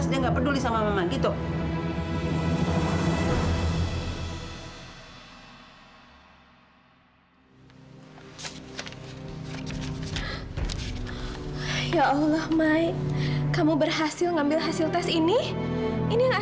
sampai jumpa di video selanjutnya